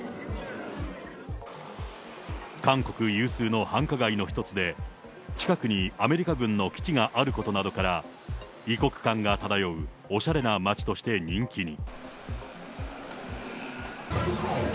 韓国有数の繁華街の一つで、近くにアメリカ軍の基地があることなどから、異国感が漂うおしゃれな街として人気に。